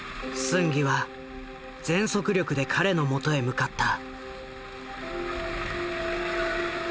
スンギは全速力で彼のもとへ向かった。